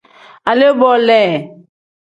Alee-bo le.